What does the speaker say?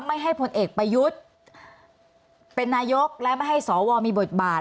ไม่ให้พลเอกประยุทธ์เป็นนายกและไม่ให้สวมีบทบาท